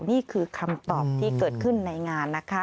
นี่คือคำตอบที่เกิดขึ้นในงานนะคะ